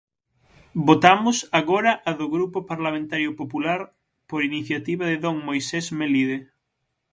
Votamos agora a do Grupo Parlamentario Popular, por iniciativa de don Moisés Melide.